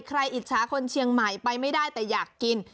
อิจฉาคนเชียงใหม่ไปไม่ได้แต่อยากกิน